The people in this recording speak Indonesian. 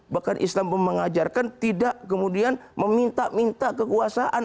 bahkan islam memengajarkan tidak kemudian meminta minta kekuasaan